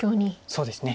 そうですね。